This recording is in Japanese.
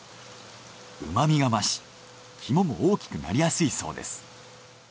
旨みが増しキモも大きくなりやすいそうです。